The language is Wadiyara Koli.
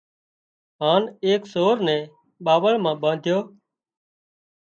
هانَ ايڪ سور نين ٻاوۯ مان ٻانڌيو